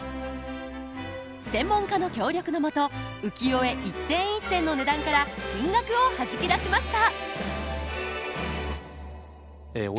専門家の協力の下浮世絵一点一点の値段から金額をはじき出しました！